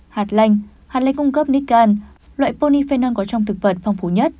hạt lanh hạt lanh cung cấp nican loại polyphenol có trong thực vật phong phú nhất